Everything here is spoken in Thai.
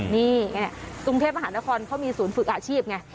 นี่กรุงเทพมหานครเขามีศูนย์ฝึกอาชีพไง